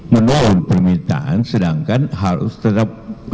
menurun permintaan sedangkan harus tetap